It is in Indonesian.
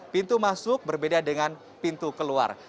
pintu masuk berbeda dengan pintu keluar